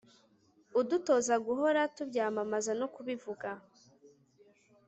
udutoza guhora tubyamamaza no kubivuga